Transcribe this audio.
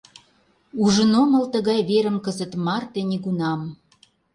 Ужын омыл тыгай верым кызыт марте нигунам.